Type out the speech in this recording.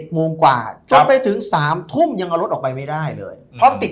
โมงกว่าจนไปถึง๓ทุ่มยังเอารถออกไปไม่ได้เลยเพราะติด